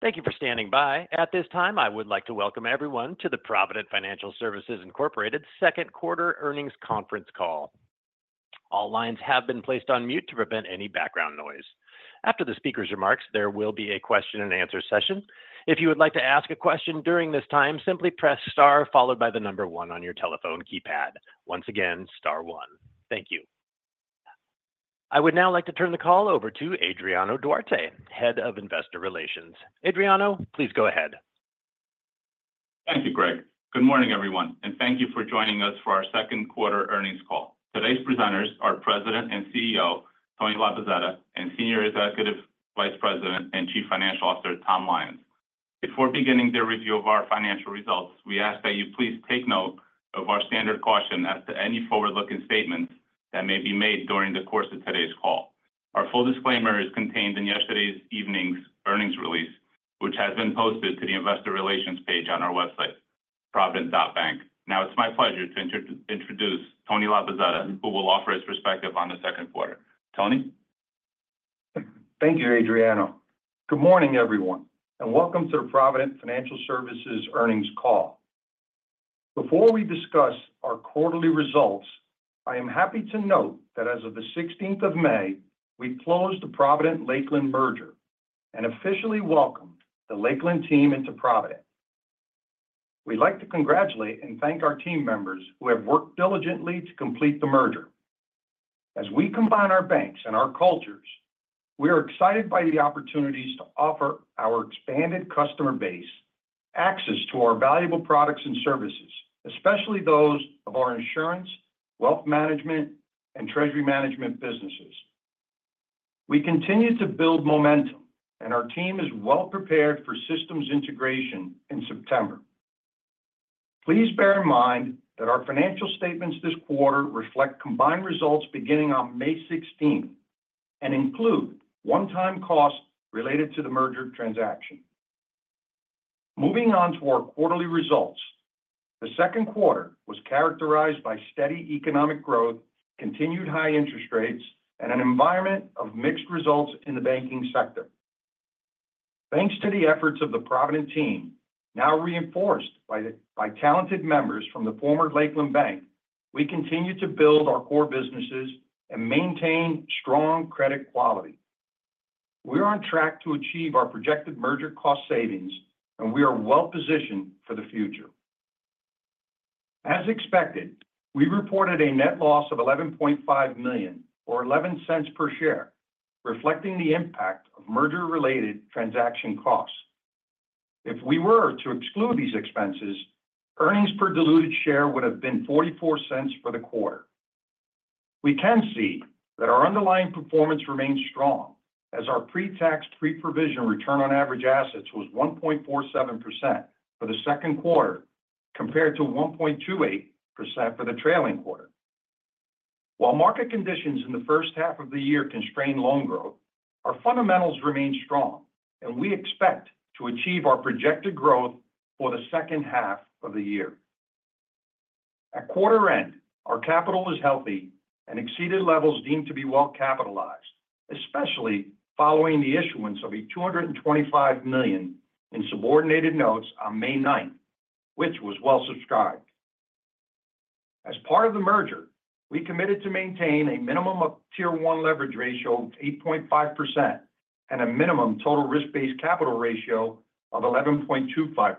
Thank you for standing by. At this time, I would like to welcome everyone to the Provident Financial Services Incorporated second quarter earnings conference call. All lines have been placed on mute to prevent any background noise. After the speaker's remarks, there will be a question-and-answer session. If you would like to ask a question during this time, simply press star followed by the number one on your telephone keypad. Once again, star one. Thank you. I would now like to turn the call over to Adriano Duarte, head of investor relations. Adriano, please go ahead. Thank you, Greg. Good morning, everyone, and thank you for joining us for our second quarter earnings call. Today's presenters are President and CEO Tony Labozzetta and Senior Executive Vice President and Chief Financial Officer Tom Lyons. Before beginning the review of our financial results, we ask that you please take note of our standard caution as to any forward-looking statements that may be made during the course of today's call. Our full disclaimer is contained in yesterday evening's earnings release, which has been posted to the investor relations page on our website, provident.bank. Now, it's my pleasure to introduce Tony Labozzetta, who will offer his perspective on the second quarter. Tony? Thank you, Adriano. Good morning, everyone, and welcome to the Provident Financial Services earnings call. Before we discuss our quarterly results, I am happy to note that as of the 16th of May, we closed the Provident-Lakeland merger and officially welcomed the Lakeland team into Provident. We'd like to congratulate and thank our team members who have worked diligently to complete the merger. As we combine our banks and our cultures, we are excited by the opportunities to offer our expanded customer base access to our valuable products and services, especially those of our insurance, wealth management, and treasury management businesses. We continue to build momentum, and our team is well prepared for systems integration in September. Please bear in mind that our financial statements this quarter reflect combined results beginning on May 16th and include one-time costs related to the merger transaction. Moving on to our quarterly results, the second quarter was characterized by steady economic growth, continued high interest rates, and an environment of mixed results in the banking sector. Thanks to the efforts of the Provident team, now reinforced by talented members from the former Lakeland Bank, we continue to build our core businesses and maintain strong credit quality. We are on track to achieve our projected merger cost savings, and we are well positioned for the future. As expected, we reported a net loss of $11.5 million, or $0.11 per share, reflecting the impact of merger-related transaction costs. If we were to exclude these expenses, earnings per diluted share would have been $0.44 for the quarter. We can see that our underlying performance remains strong as our pre-tax pre-provision return on average assets was 1.47% for the second quarter compared to 1.28% for the trailing quarter. While market conditions in the first half of the year constrain loan growth, our fundamentals remain strong, and we expect to achieve our projected growth for the second half of the year. At quarter end, our capital is healthy and exceeded levels deemed to be well capitalized, especially following the issuance of $225 million in subordinated notes on May 9th, which was well subscribed. As part of the merger, we committed to maintain a minimum Tier 1 leverage ratio of 8.5% and a minimum total risk-based capital ratio of 11.25%.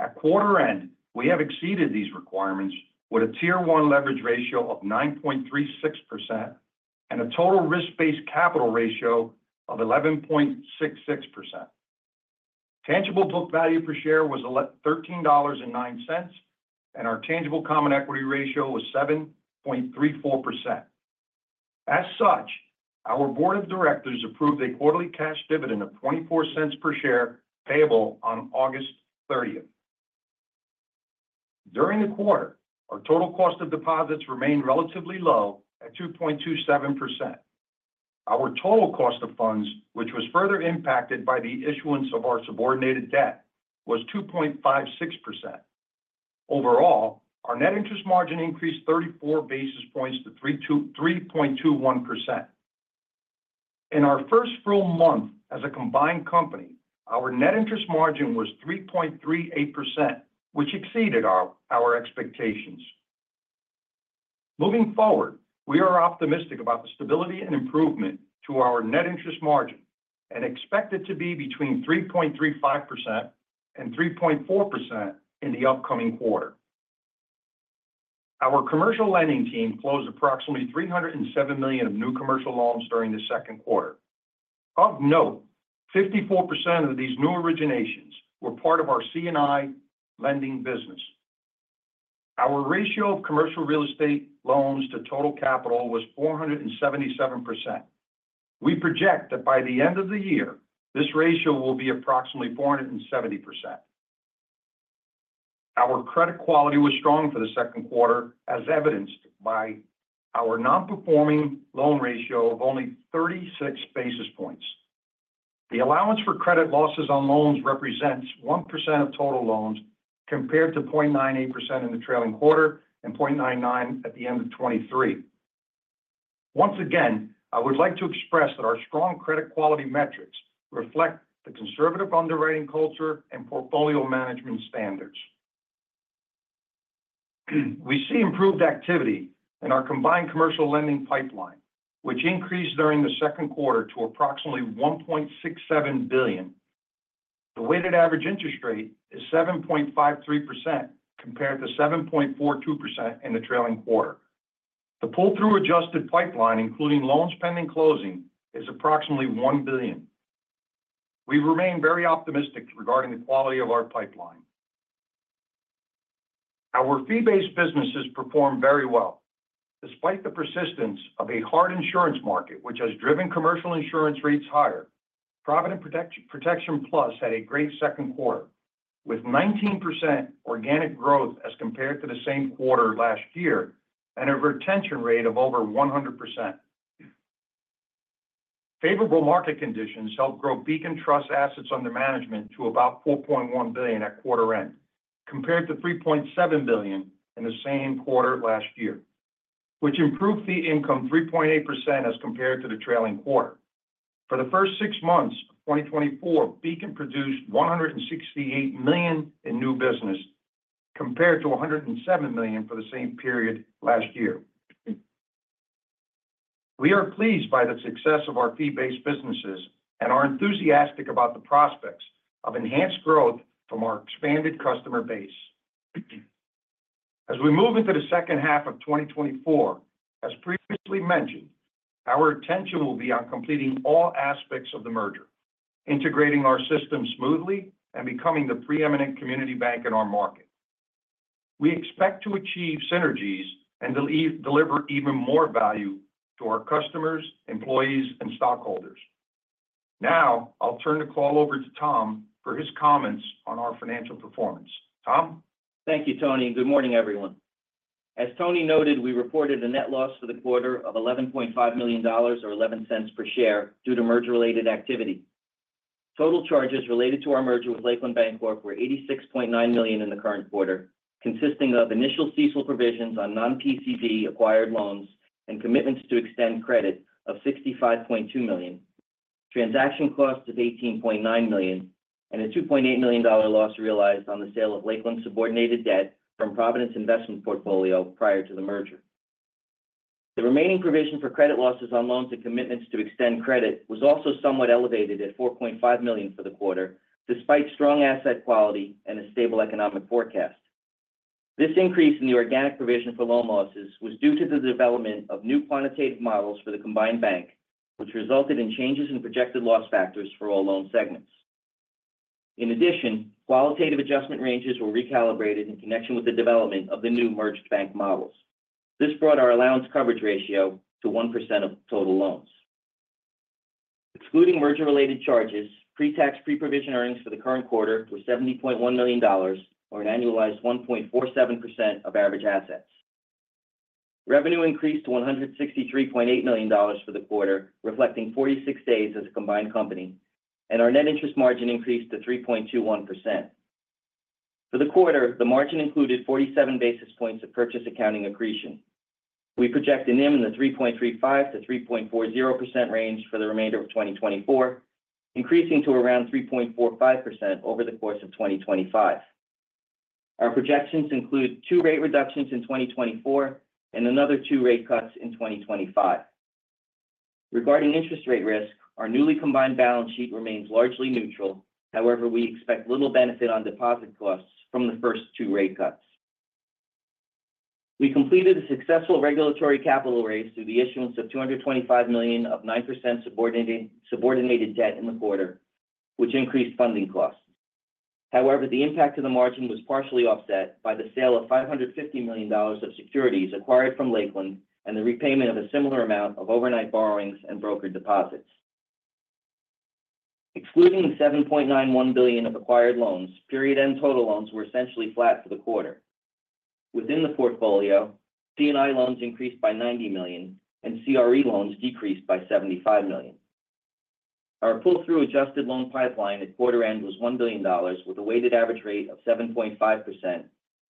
At quarter end, we have exceeded these requirements with a Tier 1 leverage ratio of 9.36% and a total risk-based capital ratio of 11.66%. Tangible book value per share was $13.09, and our tangible common equity ratio was 7.34%. As such, our board of directors approved a quarterly cash dividend of $0.24 per share payable on August 30th. During the quarter, our total cost of deposits remained relatively low at 2.27%. Our total cost of funds, which was further impacted by the issuance of our subordinated debt, was 2.56%. Overall, our net interest margin increased 34 basis points to 3.21%. In our first full month as a combined company, our net interest margin was 3.38%, which exceeded our expectations. Moving forward, we are optimistic about the stability and improvement to our net interest margin and expect it to be between 3.35% and 3.4% in the upcoming quarter. Our commercial lending team closed approximately $307 million of new commercial loans during the second quarter. Of note, 54% of these new originations were part of our C&I lending business. Our ratio of commercial real estate loans to total capital was 477%. We project that by the end of the year, this ratio will be approximately 470%. Our credit quality was strong for the second quarter, as evidenced by our non-performing loan ratio of only 36 basis points. The allowance for credit losses on loans represents 1% of total loans compared to 0.98% in the trailing quarter and 0.99% at the end of 2023. Once again, I would like to express that our strong credit quality metrics reflect the conservative underwriting culture and portfolio management standards. We see improved activity in our combined commercial lending pipeline, which increased during the second quarter to approximately $1.67 billion. The weighted average interest rate is 7.53% compared to 7.42% in the trailing quarter. The pull-through adjusted pipeline, including loans pending closing, is approximately $1 billion. We remain very optimistic regarding the quality of our pipeline. Our fee-based businesses performed very well. Despite the persistence of a hard insurance market, which has driven commercial insurance rates higher, Provident Protection Plus had a great second quarter with 19% organic growth as compared to the same quarter last year and a retention rate of over 100%. Favorable market conditions helped grow Beacon Trust assets under management to about $4.1 billion at quarter end, compared to $3.7 billion in the same quarter last year, which improved fee income 3.8% as compared to the trailing quarter. For the first six months of 2024, Beacon produced $168 million in new business compared to $107 million for the same period last year. We are pleased by the success of our fee-based businesses and are enthusiastic about the prospects of enhanced growth from our expanded customer base. As we move into the second half of 2024, as previously mentioned, our attention will be on completing all aspects of the merger, integrating our system smoothly, and becoming the preeminent community bank in our market. We expect to achieve synergies and deliver even more value to our customers, employees, and stockholders. Now, I'll turn the call over to Tom for his comments on our financial performance. Tom? Thank you, Tony. Good morning, everyone. As Tony noted, we reported a net loss for the quarter of $11.5 million, or $0.11 per share, due to merger-related activity. Total charges related to our merger with Lakeland Bancorp were $86.9 million in the current quarter, consisting of initial CECL provisions on non-PCD acquired loans and commitments to extend credit of $65.2 million, transaction costs of $18.9 million, and a $2.8 million loss realized on the sale of Lakeland subordinated debt from Provident's investment portfolio prior to the merger. The remaining provision for credit losses on loans and commitments to extend credit was also somewhat elevated at $4.5 million for the quarter, despite strong asset quality and a stable economic forecast. This increase in the organic provision for loan losses was due to the development of new quantitative models for the combined bank, which resulted in changes in projected loss factors for all loan segments. In addition, qualitative adjustment ranges were recalibrated in connection with the development of the new merged bank models. This brought our allowance coverage ratio to 1% of total loans. Excluding merger-related charges, pre-tax pre-provision earnings for the current quarter were $70.1 million, or an annualized 1.47% of average assets. Revenue increased to $163.8 million for the quarter, reflecting 46 days as a combined company, and our net interest margin increased to 3.21%. For the quarter, the margin included 47 basis points of purchase accounting accretion. We project a NIM in the 3.35%-3.40% range for the remainder of 2024, increasing to around 3.45% over the course of 2025. Our projections include 2 rate reductions in 2024 and another 2 rate cuts in 2025. Regarding interest rate risk, our newly combined balance sheet remains largely neutral. However, we expect little benefit on deposit costs from the first 2 rate cuts. We completed a successful regulatory capital raise through the issuance of $225 million of 9% subordinated debt in the quarter, which increased funding costs. However, the impact of the margin was partially offset by the sale of $550 million of securities acquired from Lakeland and the repayment of a similar amount of overnight borrowings and brokered deposits. Excluding the $7.91 billion of acquired loans, period-end total loans were essentially flat for the quarter. Within the portfolio, C&I loans increased by $90 million and CRE loans decreased by $75 million. Our pull-through adjusted loan pipeline at quarter end was $1 billion, with a weighted average rate of 7.5%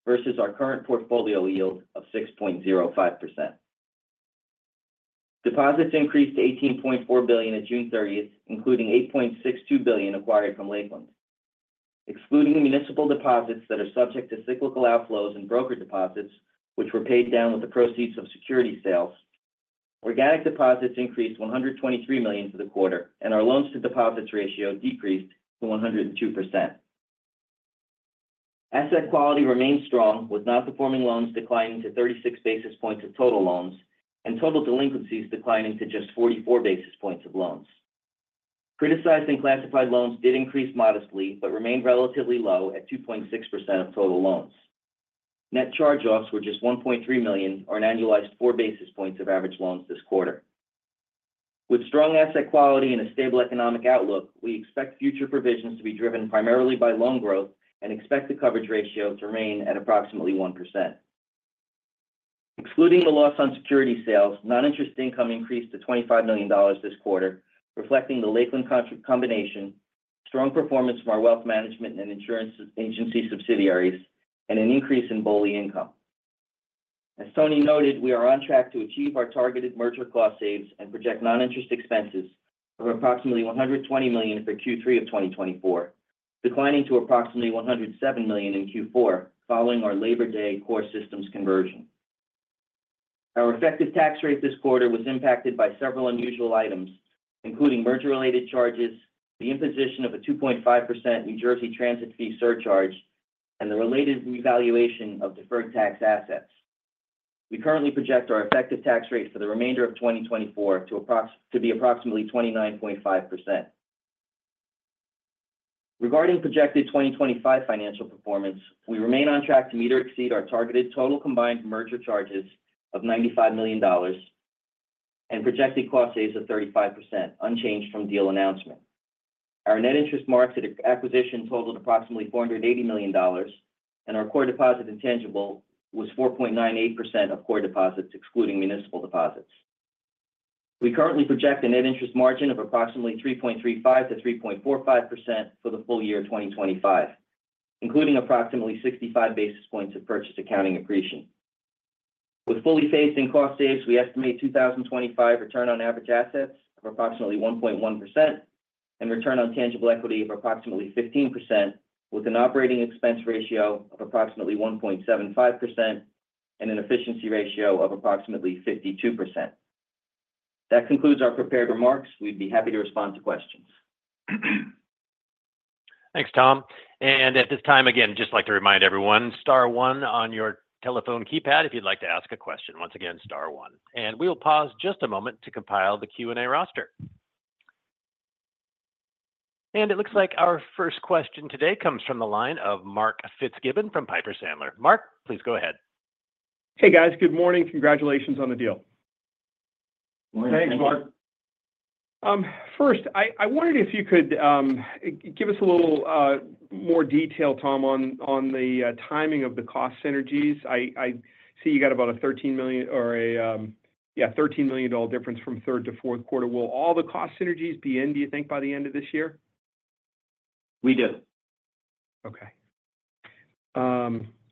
versus our current portfolio yield of 6.05%. Deposits increased to $18.4 billion at June 30th, including $8.62 billion acquired from Lakeland. Excluding municipal deposits that are subject to cyclical outflows and brokered deposits, which were paid down with the proceeds of security sales, organic deposits increased $123 million for the quarter, and our loans to deposits ratio decreased to 102%. Asset quality remained strong, with non-performing loans declining to 36 basis points of total loans and total delinquencies declining to just 44 basis points of loans. Criticized and classified loans did increase modestly but remained relatively low at 2.6% of total loans. Net charge-offs were just $1.3 million, or an annualized 4 basis points of average loans this quarter. With strong asset quality and a stable economic outlook, we expect future provisions to be driven primarily by loan growth and expect the coverage ratio to remain at approximately 1%. Excluding the loss on security sales, non-interest income increased to $25 million this quarter, reflecting the Lakeland combination, strong performance from our wealth management and insurance agency subsidiaries, and an increase in BOLI income. As Tony noted, we are on track to achieve our targeted merger cost savings and project non-interest expenses of approximately $120 million for Q3 of 2024, declining to approximately $107 million in Q4 following our Labor Day core systems conversion. Our effective tax rate this quarter was impacted by several unusual items, including merger-related charges, the imposition of a 2.5% New Jersey Transit fee surcharge, and the related revaluation of deferred tax assets. We currently project our effective tax rate for the remainder of 2024 to be approximately 29.5%. Regarding projected 2025 financial performance, we remain on track to meet or exceed our targeted total combined merger charges of $95 million and projected cost savings of 35%, unchanged from deal announcement. Our net interest marks at acquisition totaled approximately $480 million, and our core deposit intangible was 4.98% of core deposits, excluding municipal deposits. We currently project a net interest margin of approximately 3.35%-3.45% for the full year 2025, including approximately 65 basis points of purchase accounting accretion. With fully phased-in cost savings, we estimate 2025 return on average assets of approximately 1.1% and return on tangible equity of approximately 15%, with an operating expense ratio of approximately 1.75% and an efficiency ratio of approximately 52%. That concludes our prepared remarks. We'd be happy to respond to questions. Thanks, Tom. And at this time, again, just like to remind everyone, star one on your telephone keypad if you'd like to ask a question. Once again, star one. And we'll pause just a moment to compile the Q&A roster. And it looks like our first question today comes from the line of Mark Fitzgibbon from Piper Sandler. Mark, please go ahead. Hey, guys. Good morning. Congratulations on the deal. Morning. Thanks, Mark. First, I wondered if you could give us a little more detail, Tom, on the timing of the cost synergies. I see you got about a $13 million difference from third to fourth quarter. Will all the cost synergies be in, do you think, by the end of this year? We do. Okay.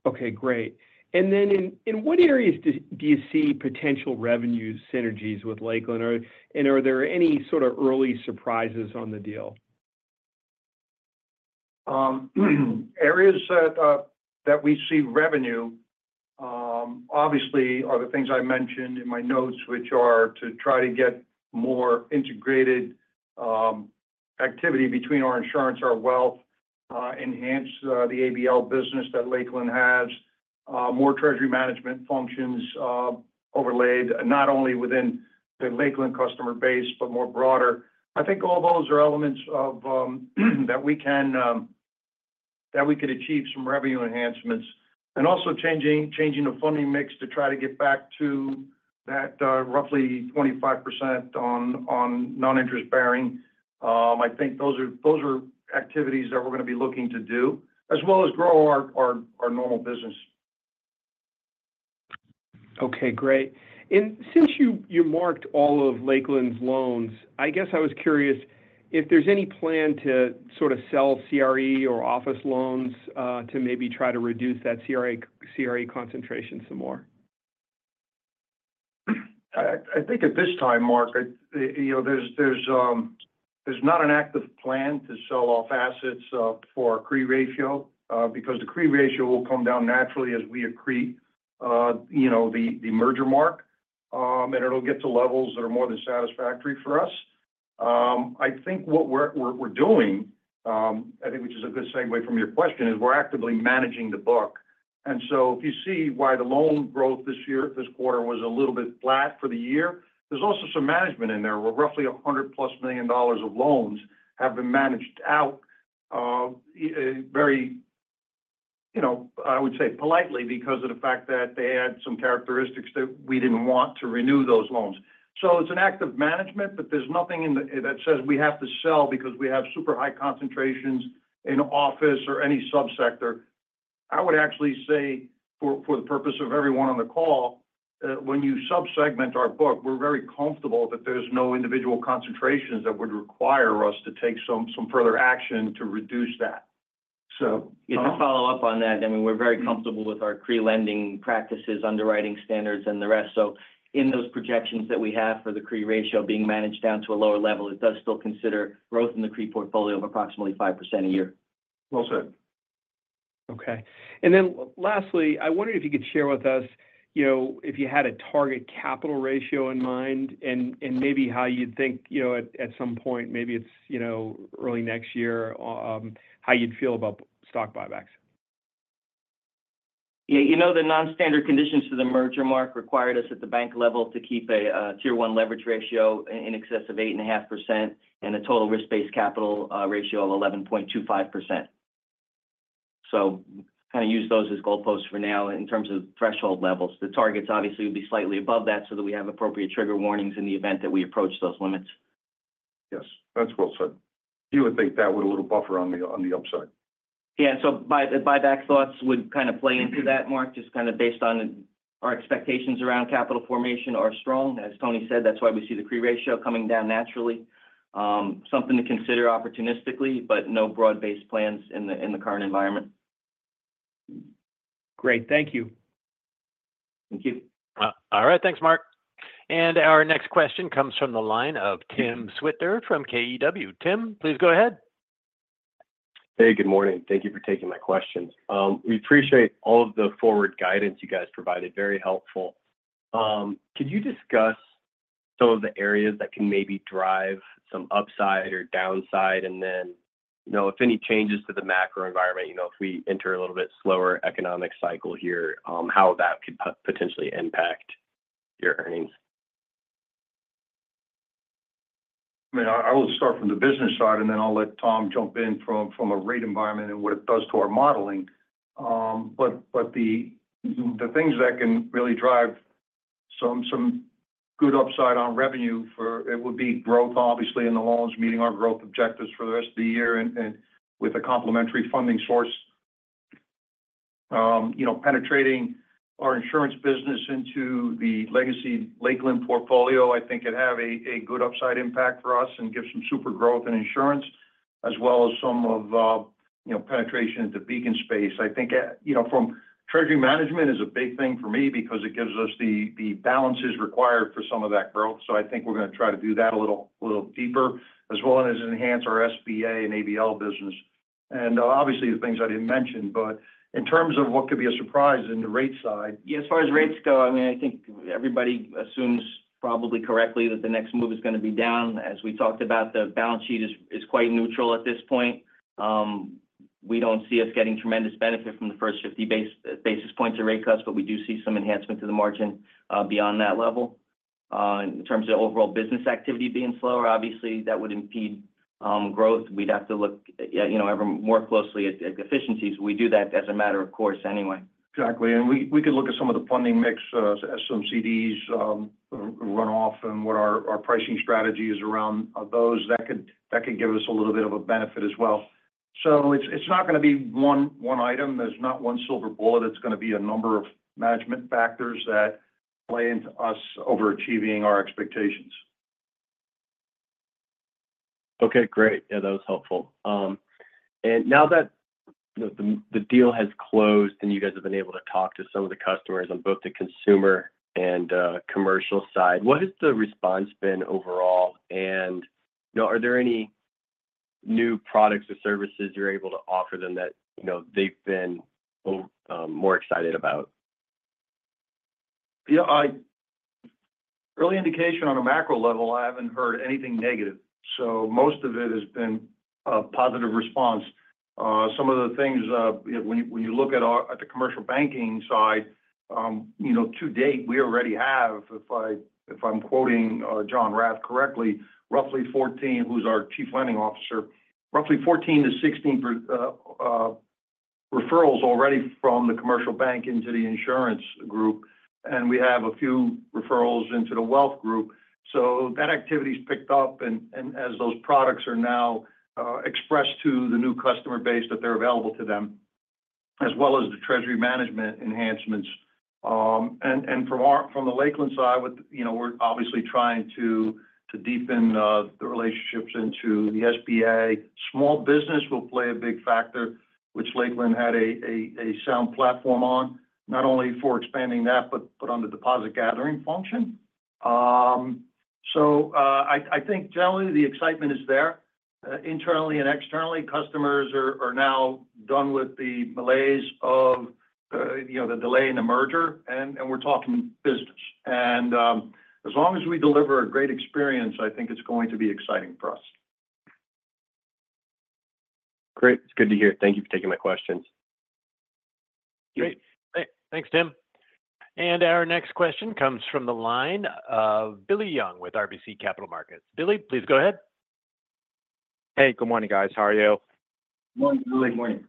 Okay. Great. And then in what areas do you see potential revenue synergies with Lakeland? And are there any sort of early surprises on the deal? Areas that we see revenue, obviously, are the things I mentioned in my notes, which are to try to get more integrated activity between our insurance, our wealth, enhance the ABL business that Lakeland has, more treasury management functions overlaid, not only within the Lakeland customer base, but more broader. I think all those are elements that we could achieve some revenue enhancements. And also changing the funding mix to try to get back to that roughly 25% on non-interest bearing. I think those are activities that we're going to be looking to do, as well as grow our normal business. Okay. Great. Since you marked all of Lakeland's loans, I guess I was curious if there's any plan to sort of sell CRE or office loans to maybe try to reduce that CRE concentration some more? I think at this time, Mark, there's not an active plan to sell off assets for a CRE ratio because the CRE ratio will come down naturally as we accrete the merger mark, and it'll get to levels that are more than satisfactory for us. I think what we're doing, I think, which is a good segue from your question, is we're actively managing the book. And so if you see why the loan growth this quarter was a little bit flat for the year, there's also some management in there. Roughly $100+ million of loans have been managed out very, I would say, politely because of the fact that they had some characteristics that we didn't want to renew those loans. So it's an act of management, but there's nothing that says we have to sell because we have super high concentrations in office or any subsector. I would actually say, for the purpose of everyone on the call, when you subsegment our book, we're very comfortable that there's no individual concentrations that would require us to take some further action to reduce that. To follow up on that, I mean, we're very comfortable with our CRE lending practices, underwriting standards, and the rest. So in those projections that we have for the CRE ratio being managed down to a lower level, it does still consider growth in the CRE portfolio of approximately 5% a year. Well said. Okay. And then lastly, I wondered if you could share with us if you had a target capital ratio in mind and maybe how you'd think at some point, maybe it's early next year, how you'd feel about stock buybacks? Yeah. You know the non-standard conditions to the merger, Mark, required us at the bank level to keep a Tier 1 leverage ratio in excess of 8.5% and a total risk-based capital ratio of 11.25%. So kind of use those as goalposts for now in terms of threshold levels. The targets, obviously, would be slightly above that so that we have appropriate trigger warnings in the event that we approach those limits. Yes. That's well said. You would think that would a little buffer on the upside. Yeah. So buyback thoughts would kind of play into that, Mark, just kind of based on our expectations around capital formation are strong. As Tony said, that's why we see the CRE ratio coming down naturally. Something to consider opportunistically, but no broad-based plans in the current environment. Great. Thank you. Thank you. All right. Thanks, Mark. And our next question comes from the line of Tim Switzer from KBW. Tim, please go ahead. Hey, good morning. Thank you for taking my questions. We appreciate all of the forward guidance you guys provided. Very helpful. Could you discuss some of the areas that can maybe drive some upside or downside and then, if any changes to the macro environment, if we enter a little bit slower economic cycle here, how that could potentially impact your earnings? I mean, I will start from the business side, and then I'll let Tom jump in from a rate environment and what it does to our modeling. But the things that can really drive some good upside on revenue, it would be growth, obviously, in the loans, meeting our growth objectives for the rest of the year and with a complementary funding source. Penetrating our insurance business into the legacy Lakeland portfolio, I think it'd have a good upside impact for us and give some super growth in insurance, as well as some of penetration into Beacon space. I think from treasury management is a big thing for me because it gives us the balances required for some of that growth. So I think we're going to try to do that a little deeper, as well as enhance our SBA and ABL business. Obviously, the things I didn't mention, but in terms of what could be a surprise in the rate side. Yeah. As far as rates go, I mean, I think everybody assumes probably correctly that the next move is going to be down. As we talked about, the balance sheet is quite neutral at this point. We don't see us getting tremendous benefit from the first 50 basis points of rate cuts, but we do see some enhancement to the margin beyond that level. In terms of overall business activity being slower, obviously, that would impede growth. We'd have to look more closely at efficiencies. We do that as a matter of course anyway. Exactly. We could look at some of the funding mix, some CDs, runoff, and what our pricing strategy is around those. That could give us a little bit of a benefit as well. It's not going to be one item. There's not one silver bullet. It's going to be a number of management factors that play into us overachieving our expectations. Okay. Great. Yeah, that was helpful. And now that the deal has closed and you guys have been able to talk to some of the customers on both the consumer and commercial side, what has the response been overall? And are there any new products or services you're able to offer them that they've been more excited about? Yeah. Early indication on a macro level, I haven't heard anything negative. So most of it has been a positive response. Some of the things when you look at the commercial banking side, to date, we already have, if I'm quoting John Rath correctly, roughly 14, who's our Chief Lending Officer, roughly 14-16 referrals already from the commercial bank into the insurance group. And we have a few referrals into the wealth group. So that activity's picked up. And as those products are now expressed to the new customer base that they're available to them, as well as the treasury management enhancements. And from the Lakeland side, we're obviously trying to deepen the relationships into the SBA. Small business will play a big factor, which Lakeland had a sound platform on, not only for expanding that, but on the deposit gathering function. I think generally the excitement is there. Internally and externally, customers are now done with the malaise of the delay in the merger, and we're talking business. As long as we deliver a great experience, I think it's going to be exciting for us. Great. It's good to hear. Thank you for taking my questions. Great. Thanks, Tim. And our next question comes from the line of Billy Young with RBC Capital Markets. Billy, please go ahead. Hey, good morning, guys. How are you? Good morning, Billy. Good morning.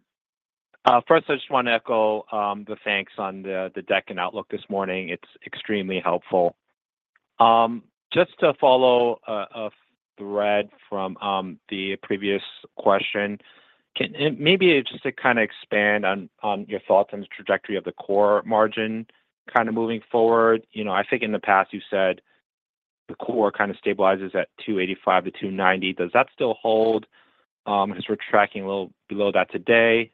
First, I just want to echo the thanks on the deck and outlook this morning. It's extremely helpful. Just to follow a thread from the previous question, maybe just to kind of expand on your thoughts on the trajectory of the core margin kind of moving forward. I think in the past you said the core kind of stabilizes at 285-290. Does that still hold because we're tracking a little below that today?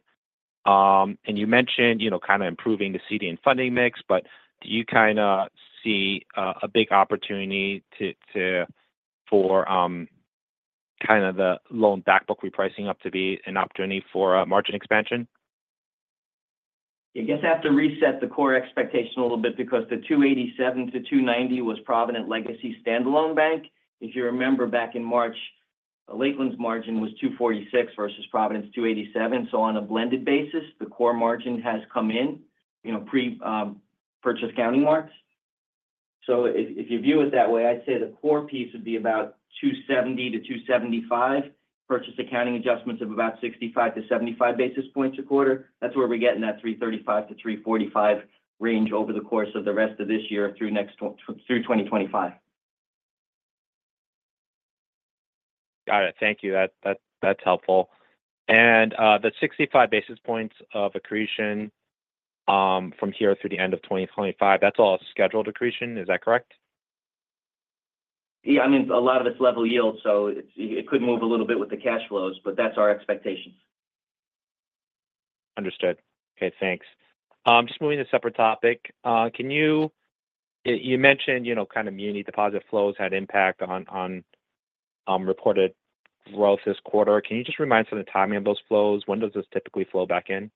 And you mentioned kind of improving the CD and funding mix, but do you kind of see a big opportunity for kind of the loan backbook repricing up to be an opportunity for margin expansion? I guess I have to reset the core expectation a little bit because the 287-290 was Provident Legacy Standalone Bank. If you remember back in March, Lakeland's margin was 246 versus Provident 287. So on a blended basis, the core margin has come in pre-purchase accounting marks. So if you view it that way, I'd say the core piece would be about 270-275, purchase accounting adjustments of about 65-75 basis points a quarter. That's where we're getting that 335-345 range over the course of the rest of this year through 2025. Got it. Thank you. That's helpful. The 65 basis points of accretion from here through the end of 2025, that's all scheduled accretion. Is that correct? Yeah. I mean, a lot of it's level yield. So it could move a little bit with the cash flows, but that's our expectations. Understood. Okay. Thanks. Just moving to a separate topic. You mentioned kind of muni deposit flows had impact on reported growth this quarter. Can you just remind us of the timing of those flows? When does this typically flow back in?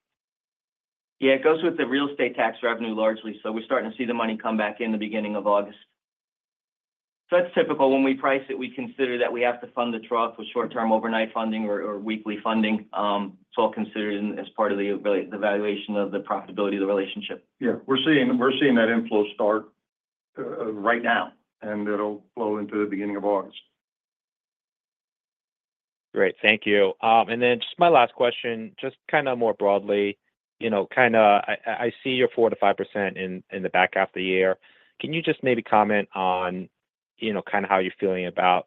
Yeah. It goes with the real estate tax revenue largely. So we're starting to see the money come back in the beginning of August. So that's typical. When we price it, we consider that we have to fund the trough with short-term overnight funding or weekly funding. It's all considered as part of the valuation of the profitability of the relationship. Yeah. We're seeing that inflow start right now, and it'll flow into the beginning of August. Great. Thank you. And then just my last question, just kind of more broadly. Kind of I see your 4%-5% in the back half of the year. Can you just maybe comment on kind of how you're feeling about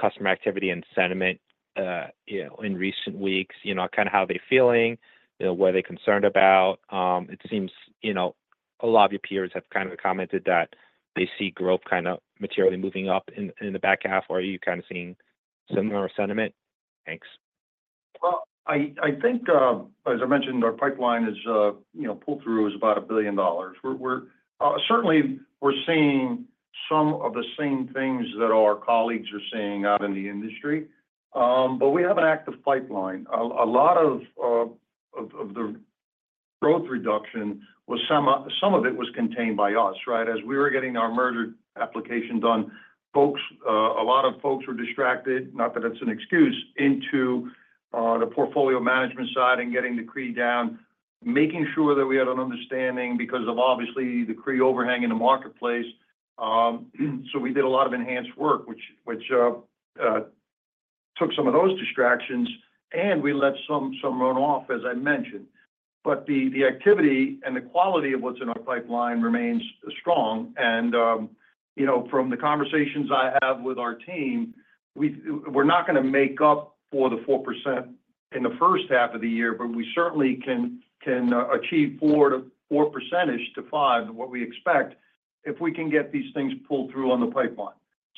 customer activity and sentiment in recent weeks, kind of how they're feeling, what are they concerned about? It seems a lot of your peers have kind of commented that they see growth kind of materially moving up in the back half. Are you kind of seeing similar sentiment? Thanks. Well, I think, as I mentioned, our pipeline is pulled through is about $1 billion. Certainly, we're seeing some of the same things that our colleagues are seeing out in the industry, but we have an active pipeline. A lot of the growth reduction, some of it was contained by us, right? As we were getting our merger application done, a lot of folks were distracted, not that it's an excuse, into the portfolio management side and getting the CRE down, making sure that we had an understanding because of obviously the CRE overhang in the marketplace. So we did a lot of enhanced work, which took some of those distractions, and we let some run off, as I mentioned. But the activity and the quality of what's in our pipeline remains strong. From the conversations I have with our team, we're not going to make up for the 4% in the first half of the year, but we certainly can achieve 4%-ish-5%-ish of what we expect if we can get these things pulled through on the pipeline.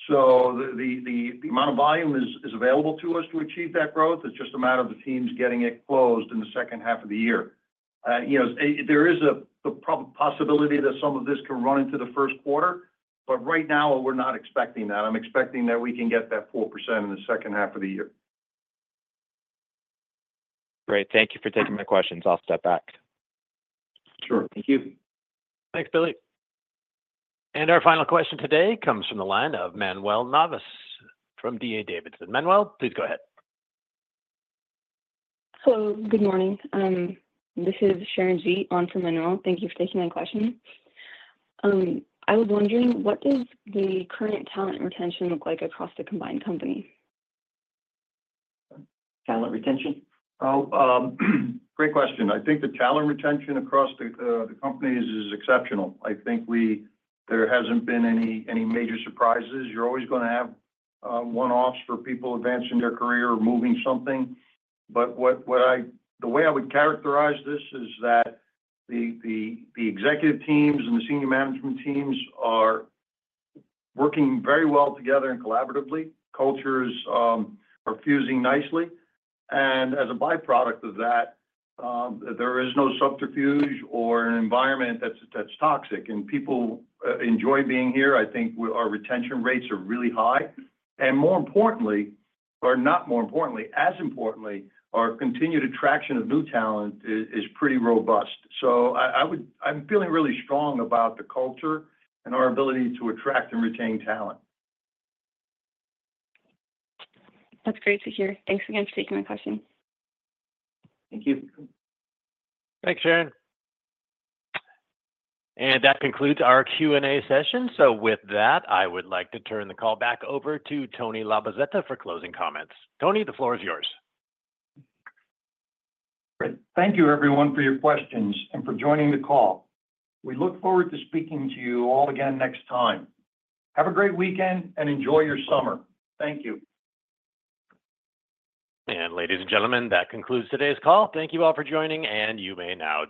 The amount of volume is available to us to achieve that growth. It's just a matter of the teams getting it closed in the second half of the year. There is the possibility that some of this can run into the first quarter, but right now, we're not expecting that. I'm expecting that we can get that 4% in the second half of the year. Great. Thank you for taking my questions. I'll step back. Sure. Thank you. Thanks, Billy. Our final question today comes from the line of Manuel Navas from D.A. Davidson. Manuel, please go ahead. Hello. Good morning. This is Sharon Ju. from Manuel. Thank you for taking my question. I was wondering, what does the current talent retention look like across the combined company? Talent retention? Oh, great question. I think the talent retention across the companies is exceptional. I think there hasn't been any major surprises. You're always going to have one-offs for people advancing their career or moving something. But the way I would characterize this is that the executive teams and the senior management teams are working very well together and collaboratively. Cultures are fusing nicely. And as a byproduct of that, there is no subterfuge or an environment that's toxic. And people enjoy being here. I think our retention rates are really high. And more importantly, or not more importantly, as importantly, our continued attraction of new talent is pretty robust. So I'm feeling really strong about the culture and our ability to attract and retain talent. That's great to hear. Thanks again for taking my question. Thank you. Thanks, Sharon. That concludes our Q&A session. With that, I would like to turn the call back over to Tony Labozzetta for closing comments. Tony, the floor is yours. Thank you, everyone, for your questions and for joining the call. We look forward to speaking to you all again next time. Have a great weekend and enjoy your summer. Thank you. Ladies and gentlemen, that concludes today's call. Thank you all for joining, and you may now.